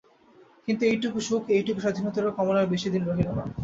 কিন্তু এইটুকু সুখ, এইটুকু স্বাধীনতাও কমলার বেশি দিন রহিল না।